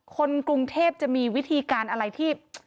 คนกรุงเทพจะมีวิธีการอะไรที่